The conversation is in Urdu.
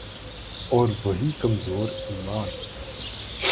اور وہی کمزور ایمان۔